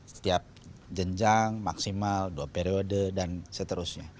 setiap jenjang maksimal dua periode dan seterusnya